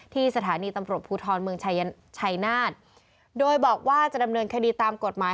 ที่สถานีตำรวจภูทรเมืองชัยนาฏโดยบอกว่าจะดำเนินคดีตามกฎหมาย